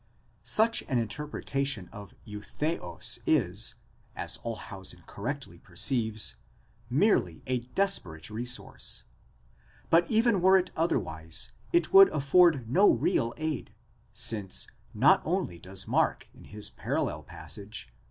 Such an inter pretation of εὐθέως is, as Olshausen correctly perceives, merely a desperate resource: but even were it otherwise, it would afford no real aid, since not only does Mark in his parallel passage, v.